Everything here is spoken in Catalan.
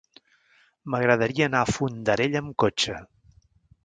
M'agradaria anar a Fondarella amb cotxe.